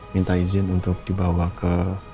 minta izin untuk dibawa ke